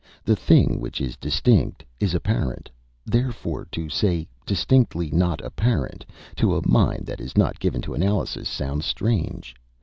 The thing which is distinct is apparent, therefore to say 'distinctly not apparent' to a mind that is not given to analysis sounds strange.